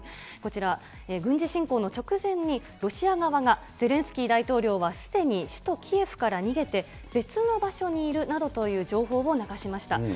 こちら、軍事侵攻の直前に、ロシア側が、ゼレンスキー大統領は、すでに首都キエフから逃げて別の場所にいるなどという情報を流しました。